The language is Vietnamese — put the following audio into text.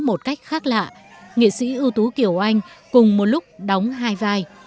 một cách khác lạ nghệ sĩ ưu tú kiều anh cùng một lúc đóng hai vai